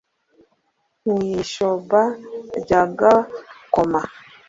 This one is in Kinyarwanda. Mu Ishoba rya Gakoma